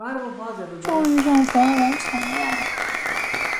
终于上传完成了